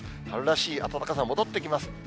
春らしい暖かさ、戻ってきます。